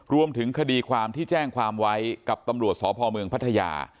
รวมถึงคดีความที่แจ้งความไว้กับตำรวจสพเมืองพัทยา